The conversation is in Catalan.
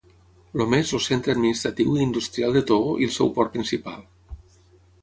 Lomé és el centre administratiu i industrial de Togo i el seu port principal.